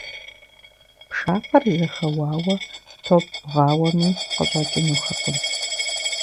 Пшапэр зэхэуауэ, топ бгъауэми, къыщӀэкӀынухэкъым.